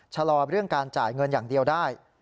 ชะลอเรื่องการจ่ายเงินอย่างเดียวได้